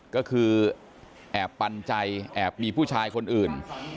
ก็คือแอบปันใจแอบมีผู้ชายคนอื่น